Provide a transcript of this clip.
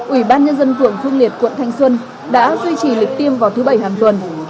ủy ban nhân dân phường phương liệt quận thanh xuân đã duy trì lịch tiêm vào thứ bảy hàng tuần